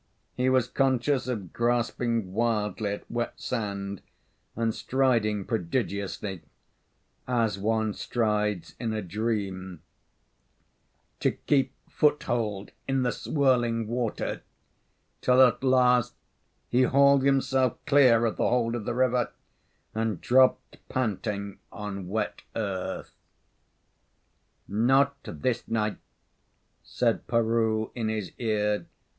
He was conscious of grasping wildly at wet sand, and striding prodigiously, as one strides in a dream, to keep foothold in the swirling water, till at last he hauled himself clear of the hold of the river, and dropped, panting, on wet earth. "Not this night," said Peroo, in his ear.